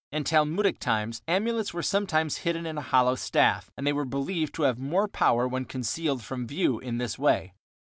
In talmudic times amulets were sometimes hidden in a hollow staff, and they were believed to have more power when concealed from view in this way.